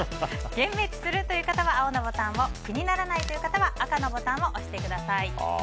幻滅するという方は青のボタンを気にならないという方は赤のボタンを押してください。